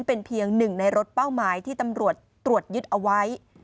เป็นเพียงหนึ่งในรถเป้าหมายที่ตำรวจตรวจยึดเอาไว้